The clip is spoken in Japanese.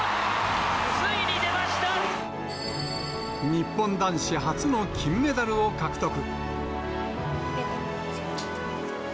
日本男子初の金メダルを獲得。